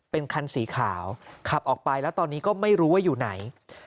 เป็นคันสีขาวขับออกไปแล้วตอนนี้ก็ไม่รู้ว่าอยู่ไหน